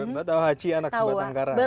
mbak tau hachi anak sebatang karang ya